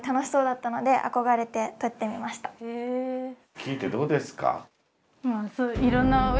聞いてどうですか？